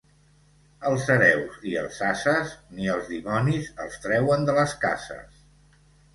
Els hereus i els ases, ni els dimonis els treuen de les cases.